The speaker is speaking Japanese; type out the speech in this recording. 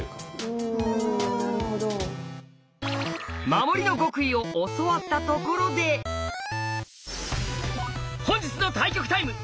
守りの極意を教わったところで本日の対局タイム！